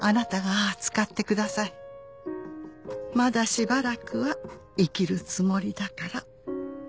「まだしばらくは生きるつもりだからよろしくね」